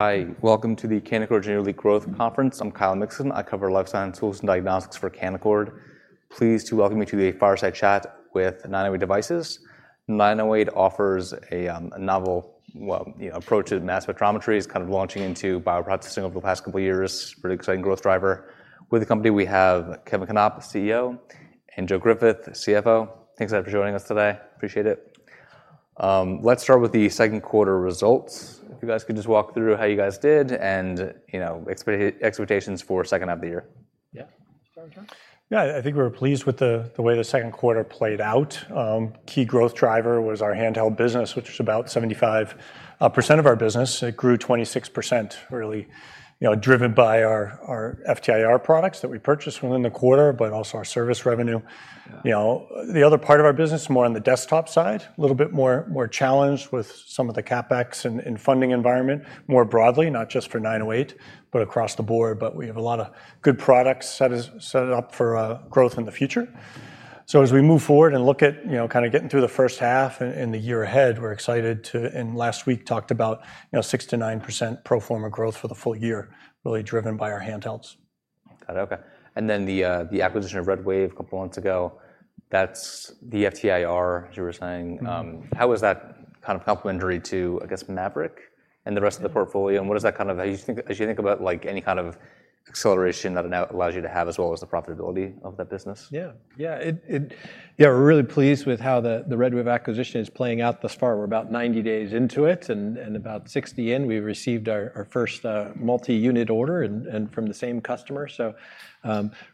Hi, welcome to the Canaccord Genuity Growth Conference. I'm Kyle Mikson. I cover life science tools and diagnostics for Canaccord. Pleased to welcome you to the Fireside Chat with 908 Devices. 908 offers a novel, well, you know, approach to mass spectrometry. It's kind of launching into bioprocessing over the past couple of years, really exciting growth driver. With the company, we have Kevin Knopp, the CEO, and Joe Griffith, the CFO. Thanks a lot for joining us today. Appreciate it. Let's start with the second quarter results. If you guys could just walk through how you guys did, and, you know, expectations for second half of the year. Yeah. Start, Joe? Yeah, I think we were pleased with the way the second quarter played out. Key growth driver was our handheld business, which was about 75% of our business. It grew 26%, really, you know, driven by our FTIR products that we purchased within the quarter, but also our service revenue. Yeah. You know, the other part of our business, more on the desktop side, a little bit more, more challenged with some of the CapEx and funding environment more broadly, not just for 908, but across the board. But we have a lot of good products set it up for growth in the future. So as we move forward and look at, you know, kind of getting through the first half and the year ahead, we're excited to... Last week talked about, you know, 6%-9% pro forma growth for the full year, really driven by our handhelds. Got it. Okay. And then the acquisition of RedWave a couple months ago, that's the FTIR you were saying. Mm-hmm. How is that kind of complementary to, I guess, Maverick and the rest of the portfolio? And what does that kind of, how you think as you think about, like, any kind of acceleration that it now allows you to have, as well as the profitability of that business? Yeah, yeah. Yeah, we're really pleased with how the RedWave acquisition is playing out thus far. We're about 90 days into it, and about 60 in, we received our first multi-unit order, and from the same customer. So,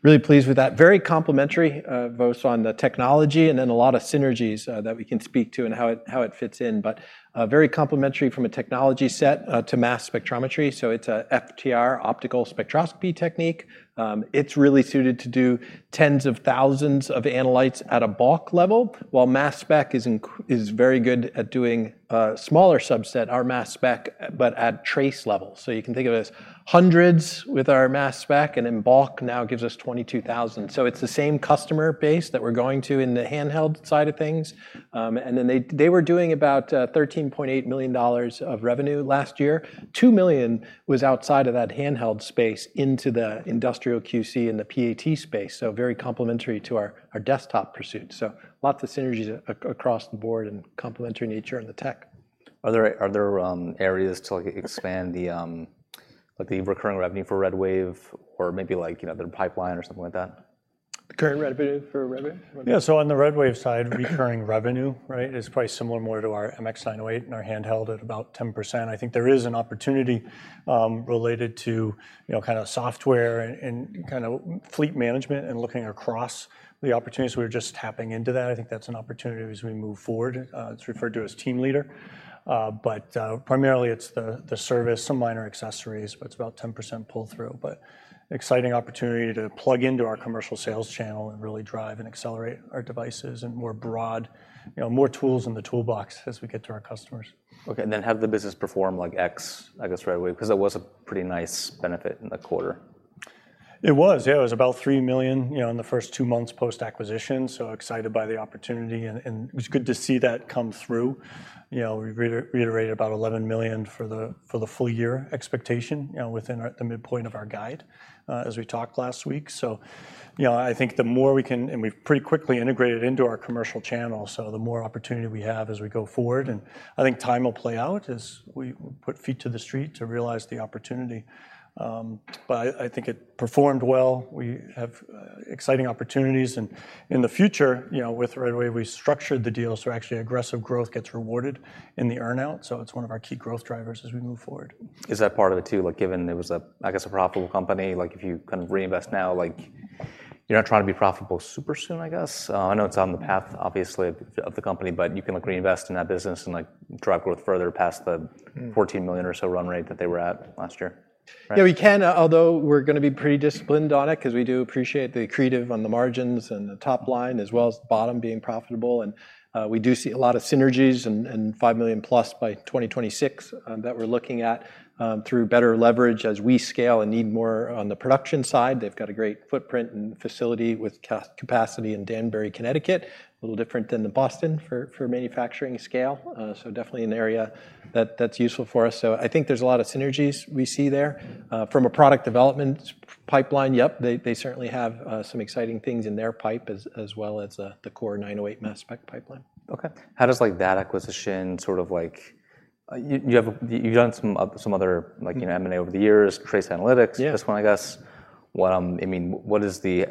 really pleased with that. Very complementary, both on the technology and then a lot of synergies that we can speak to and how it fits in. But, very complementary from a technology set to mass spectrometry. So it's a FTIR optical spectroscopy technique. It's really suited to do tens of thousands of analytes at a bulk level, while mass spec is very good at doing a smaller subset, our mass spec, but at trace level. So you can think of it as hundreds with our mass spec, and in bulk now gives us 22,000. So it's the same customer base that we're going to in the handheld side of things. And then they were doing about $13.8 million of revenue last year. $2 million was outside of that handheld space into the industrial QC and the PAT space, so very complementary to our desktop pursuit. So lots of synergies across the board and complementary nature in the tech. Are there areas to, like, expand the, like, the recurring revenue for RedWave or maybe, like, you know, their pipeline or something like that? Recurring revenue for RedWave? Yeah. So on the RedWave side, recurring revenue, right, is probably similar more to our MX908 and our handheld at about 10%. I think there is an opportunity related to, you know, kind of software and, and kind of fleet management and looking across the opportunities. We're just tapping into that. I think that's an opportunity as we move forward. It's referred to as TeamLeader. But primarily, it's the, the service, some minor accessories, but it's about 10% pull-through. But exciting opportunity to plug into our commercial sales channel and really drive and accelerate our devices and more broad, you know, more tools in the toolbox as we get to our customers. Okay, and then how'd the business perform like ex, I guess, RedWave, because that was a pretty nice benefit in the quarter. It was, yeah. It was about $3 million, you know, in the first two months post-acquisition, so excited by the opportunity, and it was good to see that come through. You know, we've reiterated about $11 million for the full year expectation, you know, within the midpoint of our guide, as we talked last week. So, you know, I think the more we can. And we've pretty quickly integrated into our commercial channel, so the more opportunity we have as we go forward, and I think time will play out as we put feet to the street to realize the opportunity. But I think it performed well. We have exciting opportunities, and in the future, you know, with RedWave, we structured the deal, so actually, aggressive growth gets rewarded in the earn-out, so it's one of our key growth drivers as we move forward. Is that part of it, too? Like, given it was a, I guess, a profitable company, like, if you kind of reinvest now, like, you're not trying to be profitable super soon, I guess? I know it's on the path, obviously, of the company, but you can, like, reinvest in that business and, like, drive growth further past the- Mm... $14 million or so run rate that they were at last year. Right? Yeah, we can, although we're gonna be pretty disciplined on it, 'cause we do appreciate the accretive on the margins and the top line, as well as the bottom being profitable. And we do see a lot of synergies and $5+ million by 2026 that we're looking at through better leverage as we scale and need more on the production side. They've got a great footprint and facility with capacity in Danbury, Connecticut. A little different than the Boston for manufacturing scale. So definitely an area that's useful for us. So I think there's a lot of synergies we see there. From a product development pipeline, yep, they certainly have some exciting things in their pipeline as well as the core 908 mass spec pipeline. Okay. How does, like, that acquisition sort of like... you've done some other, like, you know, M&A over the years, Trace Analytics- Yeah... this one, I guess. What I'm, I mean, what is the—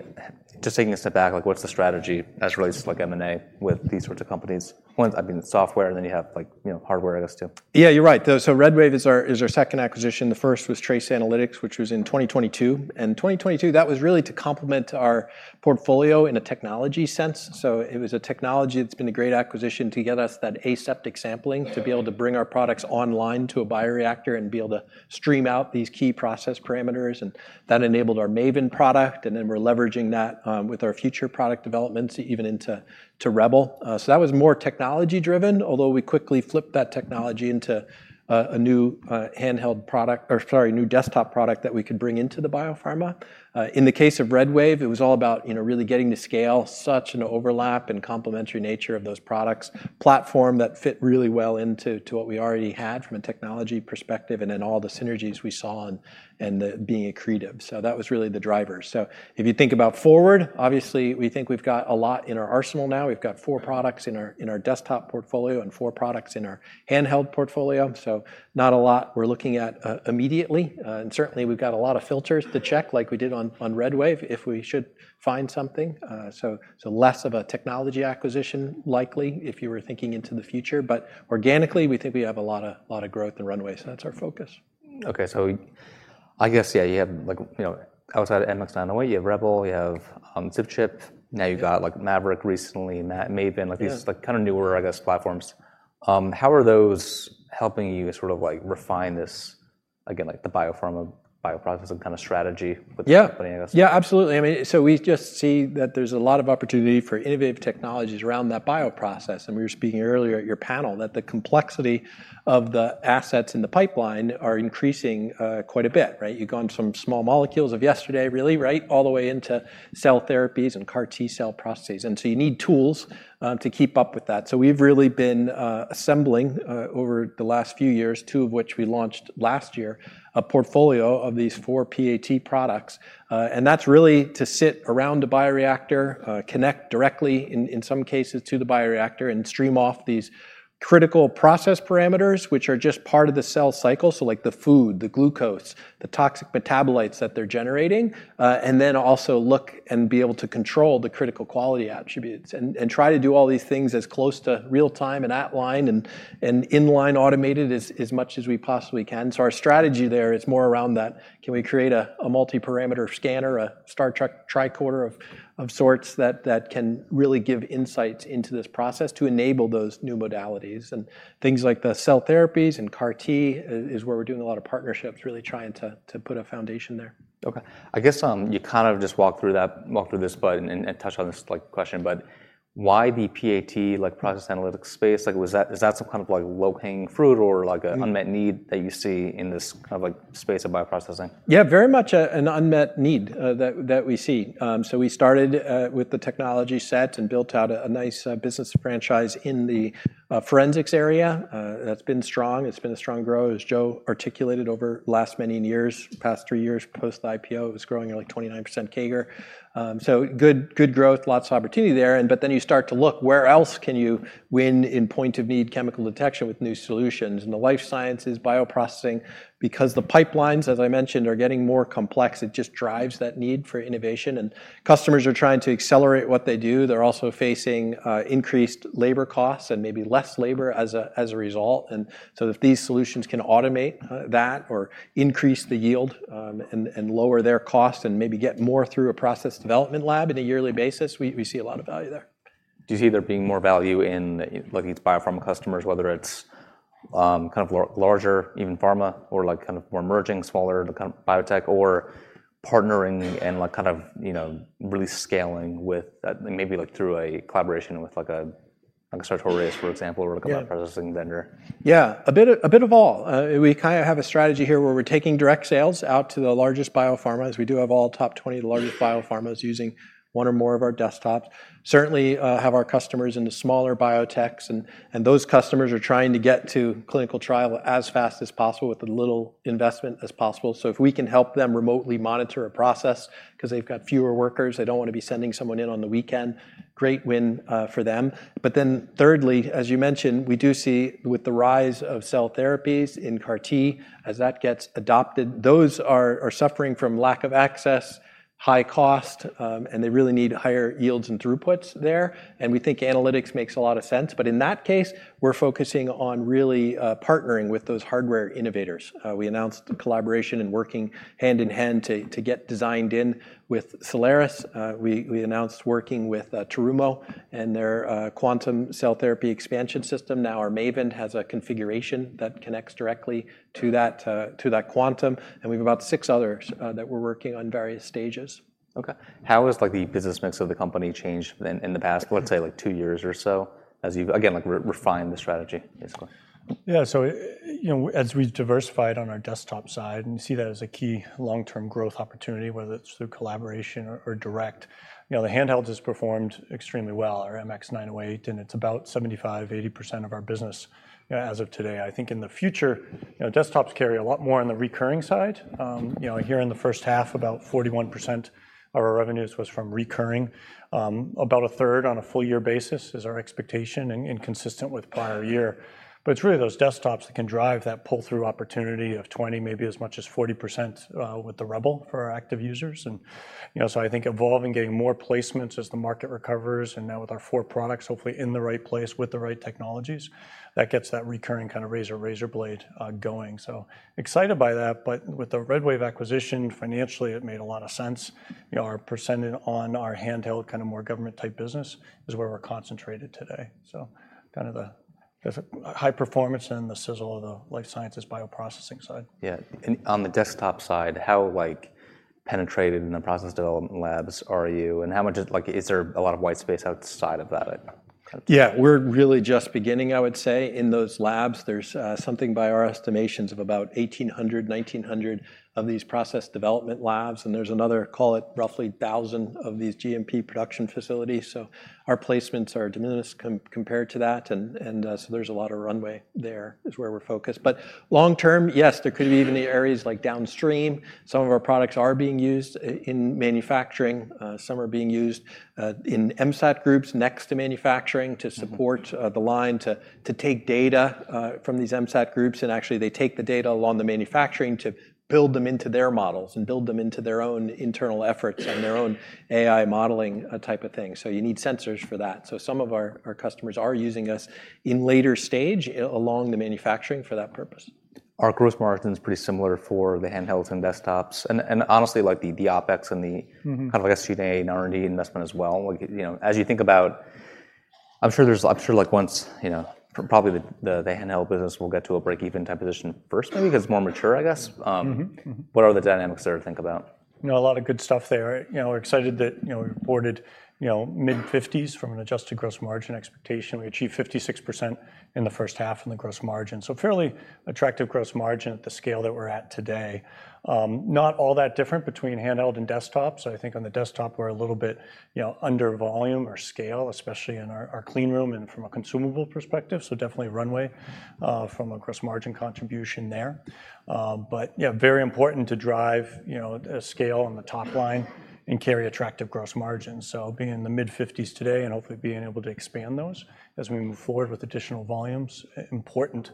Just taking a step back, like, what's the strategy as it relates to, like, M&A with these sorts of companies? One, I mean, software, and then you have, like, you know, hardware, I guess, too. Yeah, you're right, though. So RedWave is our, is our second acquisition. The first was Trace Analytics, which was in 2022. And 2022, that was really to complement our portfolio in a technology sense. So it was a technology that's been a great acquisition to get us that aseptic sampling, to be able to bring our products online to a bioreactor and be able to stream out these key process parameters, and that enabled our Maven product, and then we're leveraging that with our future product developments, even into Rebel. So that was more technology-driven, although we quickly flipped that technology into a new handheld product, or sorry, new desktop product that we could bring into the biopharma. In the case of RedWave, it was all about, you know, really getting to scale such an overlap and complementary nature of those products, platform that fit really well into to what we already had from a technology perspective and in all the synergies we saw and, and the being accretive. So that was really the driver. So if you think about forward, obviously, we think we've got a lot in our arsenal now. We've got four products in our, in our desktop portfolio and four products in our handheld portfolio, so not a lot we're looking at, immediately. And certainly, we've got a lot of filters to check, like we did on, on RedWave, if we should find something. So, less of a technology acquisition, likely, if you were thinking into the future, but organically, we think we have a lot of growth and runway, so that's our focus. Okay, so, I guess, yeah, you have like, you know, outside of MX908, you have Rebel, you have ZipChip. Now you've got, like, Maverick recently, and that Maven- Yeah. Like, these like kind of newer, I guess, platforms. How are those helping you sort of like refine this, again, like the biopharma, bioprocessing kind of strategy with the company, I guess? Yeah. Yeah, absolutely. I mean, so we just see that there's a lot of opportunity for innovative technologies around that bioprocess. And we were speaking earlier at your panel, that the complexity of the assets in the pipeline are increasing, quite a bit, right? You've gone from small molecules of yesterday, really, right, all the way into cell therapies and CAR T-cell processes. And so you need tools, to keep up with that. So we've really been assembling over the last few years, two of which we launched last year, a portfolio of these four PAT products. And that's really to sit around a bioreactor, connect directly, in some cases, to the bioreactor, and stream off these critical process parameters, which are just part of the cell cycle. So like the food, the glucose, the toxic metabolites that they're generating, and then also look and be able to control the critical quality attributes, and try to do all these things as close to real time and at line, and in-line automated as much as we possibly can. So our strategy there is more around that: can we create a multi-parameter scanner, a Star Trek tricorder of sorts, that can really give insights into this process to enable those new modalities? And things like the cell therapies and CAR T-cell is where we're doing a lot of partnerships, really trying to put a foundation there. Okay. I guess you kind of just walked through this, but I touched on this like question, but why the PAT, like process analytical space? Like, is that some kind of like low-hanging fruit or, like, a- Mm... unmet need that you see in this kind of, like, space of bioprocessing? Yeah, very much an unmet need that we see. So we started with the technology set and built out a nice business franchise in the forensics area. That's been strong. It's been a strong growth, as Joe articulated, over last many years, past three years. Post-IPO, it was growing at, like, 29% CAGR. So good, good growth, lots of opportunity there, and but then you start to look, where else can you win in point-of-need chemical detection with new solutions? In the life sciences, bioprocessing, because the pipelines, as I mentioned, are getting more complex, it just drives that need for innovation, and customers are trying to accelerate what they do. They're also facing increased labor costs and maybe less labor as a result. And so if these solutions can automate that or increase the yield, and lower their cost and maybe get more through a process development lab in a yearly basis, we see a lot of value there. Do you see there being more value in looking at biopharma customers, whether it's kind of larger, even pharma, or like kind of more emerging, smaller, kind of biotech or partnering and, like, kind of, you know, really scaling with, maybe, like a Sartorius, for example- Yeah... or, like, a processing vendor? Yeah, a bit, a bit of all. We kind of have a strategy here where we're taking direct sales out to the largest biopharmas. We do have all top 20 largest biopharmas using one or more of our desktops. Certainly, have our customers into smaller biotechs, and, and those customers are trying to get to clinical trial as fast as possible with as little investment as possible. So if we can help them remotely monitor a process 'cause they've got fewer workers, they don't want to be sending someone in on the weekend, great win, for them. But then, thirdly, as you mentioned, we do see with the rise of cell therapies in CAR T, as that gets adopted, those are suffering from lack of access, high cost, and they really need higher yields and throughputs there, and we think analytics makes a lot of sense. But in that case, we're focusing on really partnering with those hardware innovators. We announced a collaboration and working hand-in-hand to get designed in with Solaris. We announced working with Terumo and their Quantum Cell Expansion System. Now, our Maven has a configuration that connects directly to that quantum, and we have about six others that we're working on various stages. Okay. How has, like, the business mix of the company changed in the past, let's say, like, two years or so as you've, again, like, refined the strategy, basically? Yeah, so, you know, as we've diversified on our desktop side, and we see that as a key long-term growth opportunity, whether it's through collaboration or, or direct, you know, the handheld has performed extremely well, our MX908, and it's about 75%-80% of our business, as of today. I think in the future, you know, desktops carry a lot more on the recurring side. You know, here in the first half, about 41% of our revenues was from recurring. About a third on a full year basis is our expectation and, and consistent with prior year. But it's really those desktops that can drive that pull-through opportunity of 20%, maybe as much as 40%, with the REBEL for our active users. You know, so I think evolving, getting more placements as the market recovers, and now with our four products, hopefully in the right place with the right technologies, that gets that recurring kind of razor, razor blade going. So excited by that, but with the RedWave acquisition, financially, it made a lot of sense. You know, our percentage on our handheld, kind of more government-type business is where we're concentrated today. So kind of, there's a high performance and the sizzle of the life sciences bioprocessing side. Yeah. And on the desktop side, how, like, penetrated in the process development labs are you, and how much... Like, is there a lot of white space outside of that, I— kind of? Yeah, we're really just beginning, I would say, in those labs. There's something by our estimations of about 1,800, 1,900 of these process development labs, and there's another, call it, roughly 1,000 of these GMP production facilities. So our placements are de minimis compared to that, and so there's a lot of runway there, is where we're focused. But long term, yes, there could even be areas like downstream. Some of our products are being used in manufacturing. Some are being used in MSAT groups next to manufacturing to support- Mm-hmm... the line to take data from these MSAT groups, and actually, they take the data along the manufacturing to build them into their models and build them into their own internal efforts and their own AI modeling, type of thing. So you need sensors for that. So some of our customers are using us in later stage along the manufacturing for that purpose.... Our gross margin is pretty similar for the handhelds and desktops, and honestly, like the OpEx and the- Mm-hmm. Kind of like G&A and R&D investment as well. Like, you know, as you think about, I'm sure, like, once, you know, probably the handheld business will get to a break-even type position first, maybe, 'cause it's more mature, I guess. Mm-hmm. Mm-hmm. What are the dynamics there to think about? You know, a lot of good stuff there. You know, we're excited that, you know, we reported, you know, mid-50s% from an adjusted gross margin expectation. We achieved 56% in the first half in the gross margin, so fairly attractive gross margin at the scale that we're at today. Not all that different between handheld and desktop. So I think on the desktop, we're a little bit, you know, under volume or scale, especially in our clean room and from a consumable perspective, so definitely runway from a gross margin contribution there. But yeah, very important to drive, you know, scale on the top line and carry attractive gross margins. So being in the mid-50s today and hopefully being able to expand those as we move forward with additional volumes, important.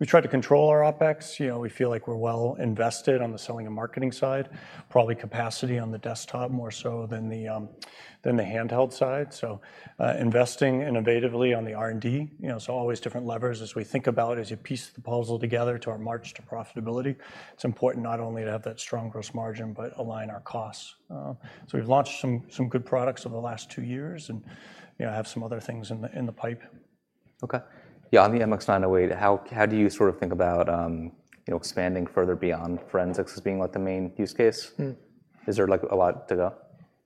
We try to control our OpEx. You know, we feel like we're well invested on the selling and marketing side, probably capacity on the desktop more so than the handheld side. So, investing innovatively on the R&D, you know, so always different levers as we think about as you piece the puzzle together to our march to profitability. It's important not only to have that strong gross margin, but align our costs. So we've launched some good products over the last two years and, you know, have some other things in the pipe. Okay. Yeah, on the MX908, how do you sort of think about, you know, expanding further beyond forensics as being, like, the main use case? Mm. Is there, like, a lot to go?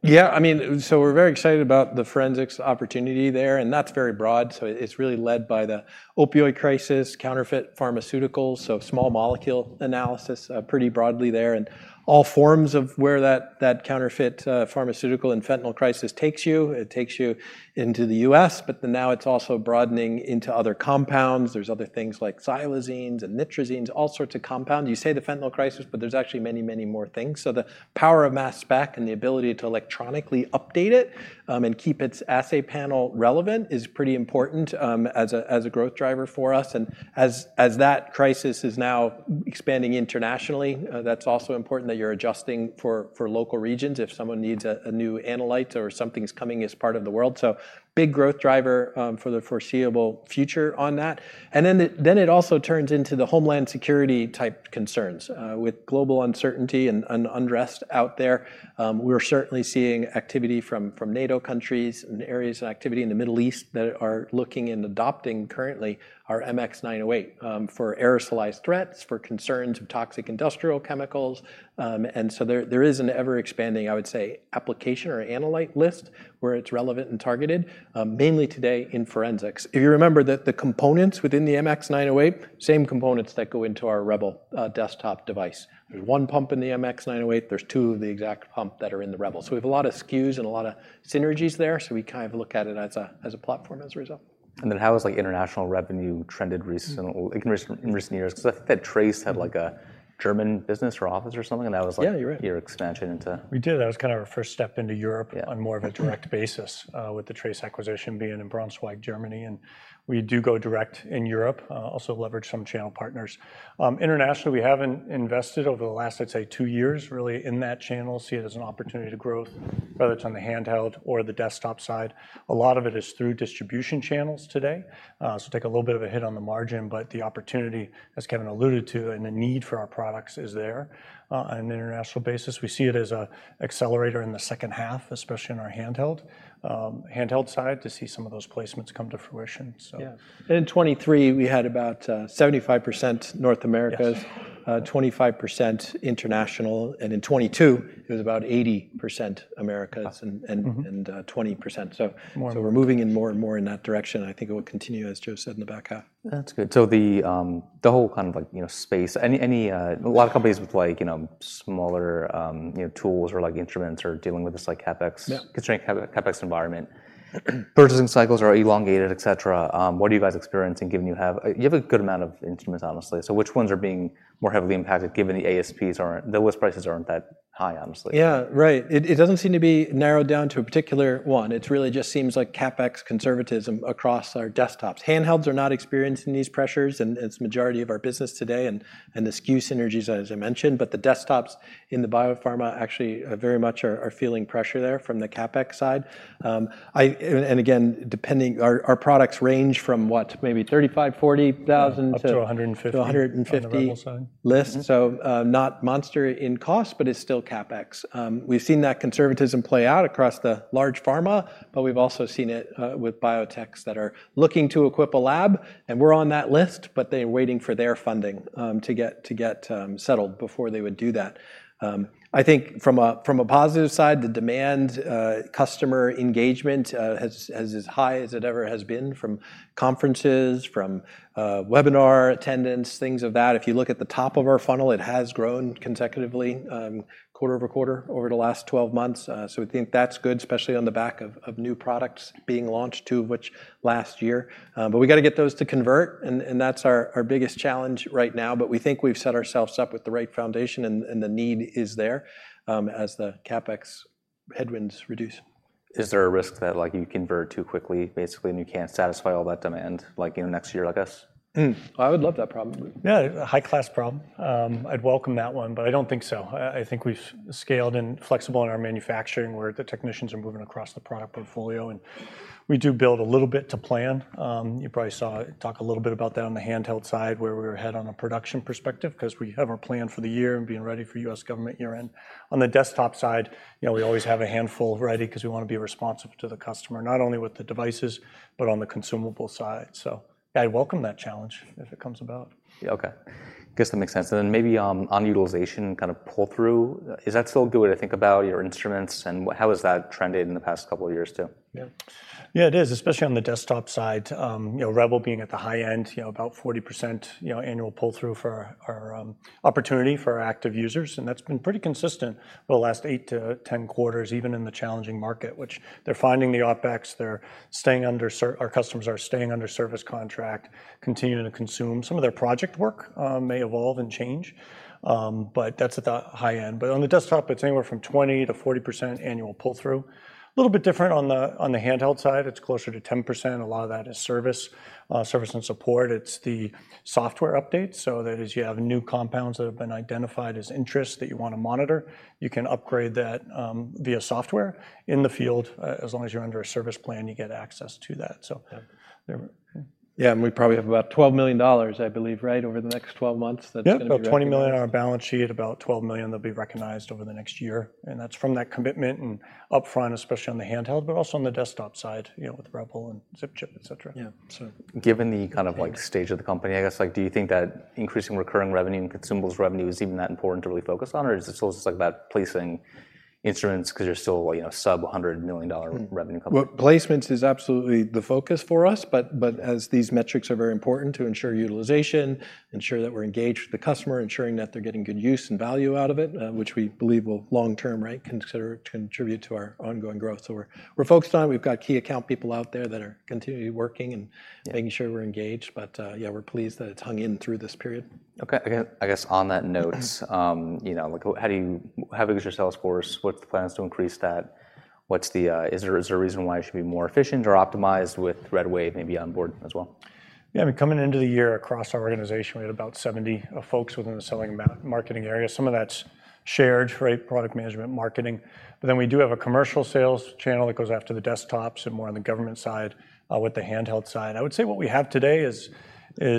Yeah, I mean, so we're very excited about the forensics opportunity there, and that's very broad. So it, it's really led by the opioid crisis, counterfeit pharmaceuticals, so small molecule analysis, pretty broadly there, and all forms of where that, that counterfeit, pharmaceutical and fentanyl crisis takes you. It takes you into the U.S., but then now it's also broadening into other compounds. There's other things like xylazine and nitazenes, all sorts of compounds. You say the fentanyl crisis, but there's actually many, many more things. So the power of mass spec and the ability to electronically update it, and keep its assay panel relevant is pretty important, as a, as a growth driver for us. And as that crisis is now expanding internationally, that's also important that you're adjusting for local regions, if someone needs a new analyte or something's coming as part of the world. So big growth driver for the foreseeable future on that. And then it also turns into the homeland security-type concerns. With global uncertainty and unrest out there, we're certainly seeing activity from NATO countries and areas of activity in the Middle East that are looking and adopting currently our MX908 for aerosolized threats, for concerns of toxic industrial chemicals. And so there is an ever-expanding, I would say, application or analyte list where it's relevant and targeted, mainly today in forensics. If you remember that the components within the MX908, same components that go into our Rebel desktop device. There's one pump in the MX908. There's two of the exact pump that are in the Rebel. So we have a lot of SKUs and a lot of synergies there, so we kind of look at it as a, as a platform as a result. And then how has, like, international revenue trended recently, like, in recent years? 'Cause I think that Trace had, like, a German business or office or something, and that was like- Yeah, you're right.... your expansion into- We did. That was kind of our first step into Europe. Yeah... on more of a direct basis, with the Trace acquisition being in Braunschweig, Germany, and we do go direct in Europe, also leverage some channel partners. Internationally, we haven't invested over the last, I'd say, two years, really, in that channel. See it as an opportunity to growth, whether it's on the handheld or the desktop side. A lot of it is through distribution channels today, so take a little bit of a hit on the margin, but the opportunity, as Kevin alluded to, and the need for our products is there. On an international basis, we see it as a accelerator in the second half, especially in our handheld, handheld side, to see some of those placements come to fruition, so- Yeah. In 2023, we had about 75% North America- Yes... 25% international, and in 2022, it was about 80% Americas- Wow... Mm-hmm and, 20%. More. So we're moving in more and more in that direction, and I think it will continue, as Joe said, in the back half. That's good. So the whole kind of like, you know, space... A lot of companies with, like, you know, smaller, you know, tools or, like, instruments are dealing with this, like, CapEx- Yeah... constrained CapEx environment. Purchasing cycles are elongated, et cetera. What are you guys experiencing, given you have a good amount of instruments, honestly, so which ones are being more heavily impacted, given the ASPs aren't, the list prices aren't that high, honestly? Yeah, right. It doesn't seem to be narrowed down to a particular one. It's really just seems like CapEx conservatism across our desktops. Handhelds are not experiencing these pressures, and it's majority of our business today and the SKU synergies, as I mentioned, but the desktops in the biopharma actually very much are feeling pressure there from the CapEx side. And again, depending, our products range from what, maybe $35,000-$40,000 to- Up to 150... to 150- On the Rebel side... list. Mm-hmm. So, not monstrous in cost, but it's still CapEx. We've seen that conservatism play out across the large pharma, but we've also seen it with biotechs that are looking to equip a lab, and we're on that list, but they're waiting for their funding to get settled before they would do that. I think from a positive side, the demand customer engagement is as high as it ever has been, from conferences, from webinar attendance, things of that. If you look at the top of our funnel, it has grown consecutively quarter-over-quarter over the last 12 months. So we think that's good, especially on the back of new products being launched, 2 of which last year. But we gotta get those to convert, and that's our biggest challenge right now. But we think we've set ourselves up with the right foundation, and the need is there, as the CapEx headwinds reduce.... Is there a risk that, like, you convert too quickly, basically, and you can't satisfy all that demand, like, in the next year, I guess? Hmm. I would love that problem. Yeah, a high-class problem. I'd welcome that one, but I don't think so. I think we've scaled and flexible in our manufacturing, where the technicians are moving across the product portfolio, and we do build a little bit to plan. You probably saw, I talk a little bit about that on the handheld side, where we're ahead on a production perspective, 'cause we have our plan for the year and being ready for U.S. government year-end. On the desktop side, you know, we always have a handful ready, 'cause we wanna be responsive to the customer, not only with the devices, but on the consumable side. So I welcome that challenge if it comes about. Yeah, okay. Guess that makes sense, and then maybe, on utilization, kind of pull-through, is that still a good way to think about your instruments, and how has that trended in the past couple of years, too? Yeah. Yeah, it is, especially on the desktop side. You know, Rebel being at the high end, you know, about 40%, you know, annual pull-through for our, our, opportunity for our active users, and that's been pretty consistent for the last eight to 10 quarters, even in the challenging market, which they're finding the OpEx, they're staying under our customers are staying under service contract, continuing to consume. Some of their project work may evolve and change, but that's at the high end. But on the desktop, it's anywhere from 20%-40% annual pull-through. Little bit different on the handheld side, it's closer to 10%. A lot of that is service, service and support. It's the software updates, so that is you have new compounds that have been identified as interest that you wanna monitor, you can upgrade that, via software in the field. As long as you're under a service plan, you get access to that, so- Yeah. Yeah, and we probably have about $12 million, I believe, right over the next 12 months, that's gonna be- Yeah, about $20 million on our balance sheet, about $12 million that'll be recognized over the next year, and that's from that commitment, and upfront, especially on the handheld, but also on the desktop side, you know, with Rebel and ZipChip, et cetera. Yeah, so. Given the kind of, like, stage of the company, I guess, like, do you think that increasing recurring revenue and consumables revenue is even that important to really focus on? Or is it still just, like, about placing instruments because you're still, you know, sub-$100 million revenue company? Well, placements is absolutely the focus for us, but, but as these metrics are very important to ensure utilization, ensure that we're engaged with the customer, ensuring that they're getting good use and value out of it, which we believe will long term, right, contribute to our ongoing growth. So we're, we're focused on, we've got key account people out there that are continually working and- Yeah... making sure we're engaged, but, yeah, we're pleased that it's hung in through this period. Okay. I guess on that note, you know, like, how do you-how big is your sales force? What's the plans to increase that? What's the... Is there, is there a reason why it should be more efficient or optimized with RedWave maybe on board as well? Yeah, I mean, coming into the year across our organization, we had about 70 folks within the selling and marketing area. Some of that's shared, right, product management, marketing. But then we do have a commercial sales channel that goes after the desktops and more on the government side, with the handheld side. I would say what we have today is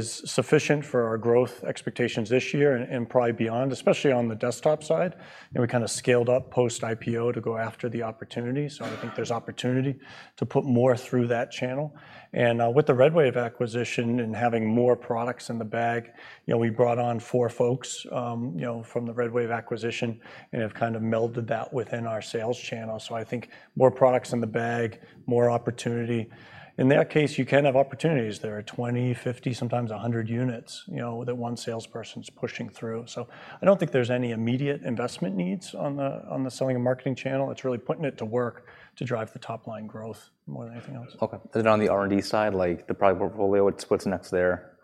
sufficient for our growth expectations this year and probably beyond, especially on the desktop side. You know, we kind of scaled up post-IPO to go after the opportunity. So I think there's opportunity to put more through that channel, and with the RedWave acquisition and having more products in the bag, you know, we brought on four folks, you know, from the RedWave acquisition and have kind of melded that within our sales channel. So I think more products in the bag, more opportunity. In that case, you can have opportunities. There are 20, 50, sometimes 100 units, you know, that one salesperson's pushing through. So I don't think there's any immediate investment needs on the, on the selling and marketing channel. It's really putting it to work to drive the top-line growth more than anything else. Okay. Then on the R&D side, like, the product portfolio, what's next there?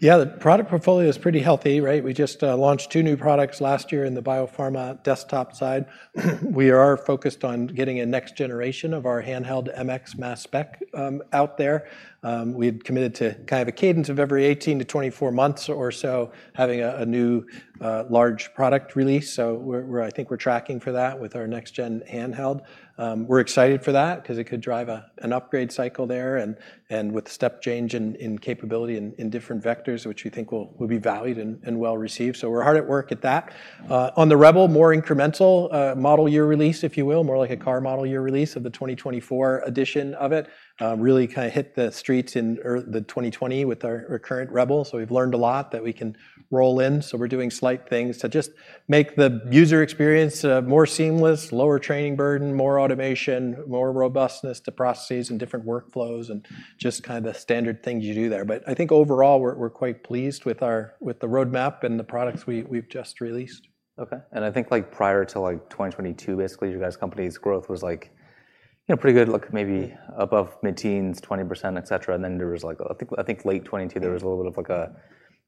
Yeah, the product portfolio is pretty healthy, right? We just launched two new products last year in the biopharma desktop side. We are focused on getting a next generation of our handheld MX mass spec out there. We've committed to kind of a cadence of every 18-24 months or so, having a new large product release, so we're - I think we're tracking for that with our next gen handheld. We're excited for that, 'cause it could drive a an upgrade cycle there, and with step change in capability and in different vectors, which we think will be valued and well-received. So we're hard at work at that. On the Rebel, more incremental model year release, if you will, more like a car model year release of the 2024 edition of it. Really kind of hit the streets in early 2020 with our Rebel, so we've learned a lot that we can roll in. So we're doing slight things to just make the user experience more seamless, lower training burden, more automation, more robustness to processes and different workflows, and just kind of the standard things you do there. But I think overall, we're quite pleased with the roadmap and the products we've just released. Okay. And I think, like, prior to, like, 2022, basically, you guys' company's growth was like, you know, pretty good, look, maybe above mid-teens, 20%, et cetera. And then there was like, I think, I think late 2022, there was a little bit of, like, a,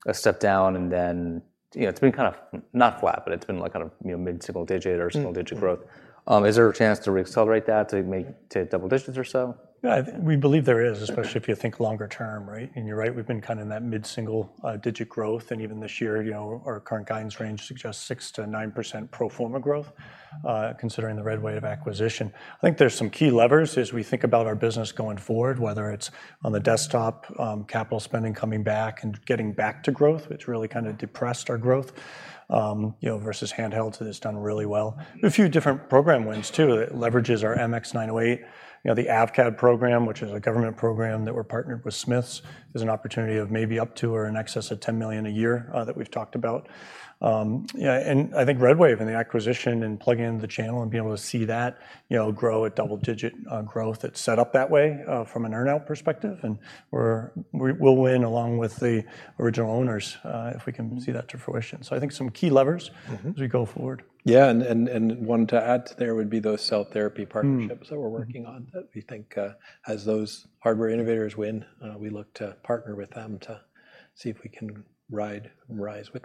a step down, and then, you know, it's been kind of... not flat, but it's been, like, kind of, you know, mid-single digit or single-digit growth. Mm-hmm. Is there a chance to reaccelerate that, to double digits or so? Yeah, we believe there is, especially if you think longer term, right? And you're right, we've been kind of in that mid-single digit growth, and even this year, you know, our current guidance range suggests 6%-9% pro forma growth, considering the RedWave acquisition. I think there's some key levers as we think about our business going forward, whether it's on the desktop, capital spending coming back and getting back to growth, which really kind of depressed our growth, you know, versus handhelds that has done really well. There are a few different program wins, too, that leverages our MX908. You know, the AVCAD program, which is a government program that we're partnered with Smiths, is an opportunity of maybe up to or in excess of $10 million a year, that we've talked about. Yeah, and I think RedWave and the acquisition and plugging in the channel and being able to see that, you know, grow at double-digit growth, it's set up that way from an earn-out perspective, and we'll win along with the original owners if we can see that to fruition. So I think some key levers- Mm-hmm... as we go forward. Yeah, and one to add to there would be those cell therapy partnerships. Hmm... that we're working on, that we think, as those hardware innovators win, we look to partner with them to see if we can ride and rise with them.